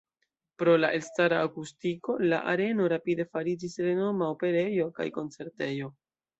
Pro la elstara akustiko la areno rapide fariĝis renoma operejo kaj koncertejo.